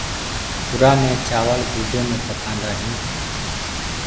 اُرآ مي چآوݪ دُوٚدو مي پڪآندآ هينٚ۔